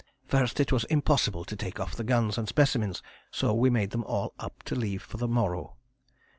First it was impossible to take off the guns and specimens, so we made them all up to leave for the morrow.